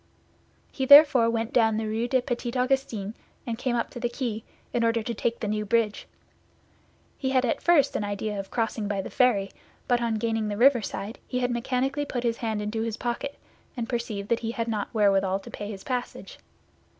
He therefore went down the Rue des Petits Augustins, and came up to the quay, in order to take the New Bridge. He had at first an idea of crossing by the ferry; but on gaining the riverside, he had mechanically put his hand into his pocket, and perceived that he had not wherewithal to pay his passage.